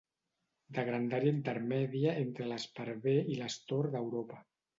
De grandària intermèdia entre l'esparver i l'astor d'Europa.